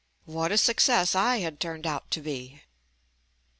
What a success I had turned out to he.